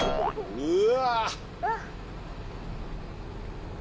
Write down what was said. うわ。